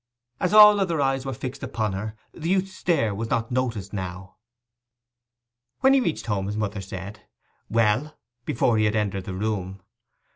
As all other eyes were fixed upon her, the youth's stare was not noticed now. When he reached home his mother said, 'Well?' before he had entered the room.